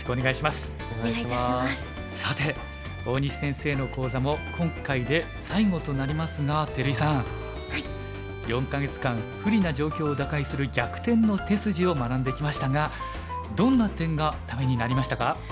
さて大西先生の講座も今回で最後となりますが照井さん４か月間不利な状況を打開する「逆転の手筋」を学んできましたがどんな点がためになりましたか？